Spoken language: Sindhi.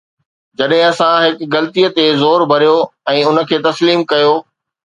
جڏهن اسان هڪ غلطي تي زور ڀريو ۽ ان کي تسليم ڪيو.